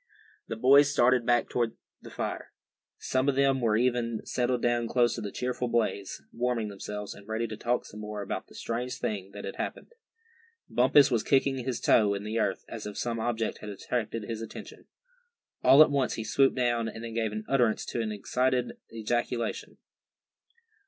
The boys started back to the fire. Some of them were even settled down close to the cheerful blaze, warming themselves, and ready to talk some more about the strange thing that had happened. Bumpus was kicking his toe into the earth, as if some object had attracted his attention. All at once he swooped down, and then gave utterance to an excited ejaculation.